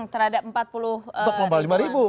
terhadap empat puluh lima ribu